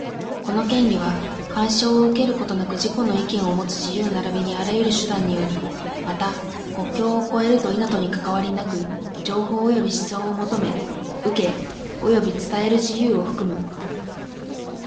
この権利は、干渉を受けることなく自己の意見をもつ自由並びにあらゆる手段により、また、国境を越えると否とにかかわりなく、情報及び思想を求め、受け、及び伝える自由を含む。